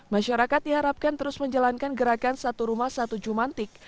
masyarakat diharapkan terus menjalankan gerakan satu rumah satu jumantik